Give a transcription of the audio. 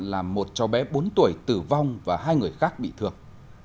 làm một cháu bé bốn tuổi tử vong và hai người khác bị thương